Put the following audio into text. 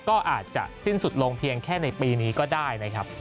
ก็อาจจะสิ้นสุดลงเพียงแค่ในปีนี้ก็ได้นะครับ